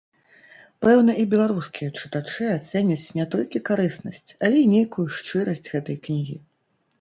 Пэўна, і беларускія чытачы ацэняць не толькі карыснасць, але і нейкую шчырасць гэтай кнігі.